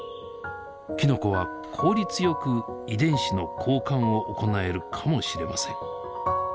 きのこは効率よく遺伝子の交換を行えるかもしれません。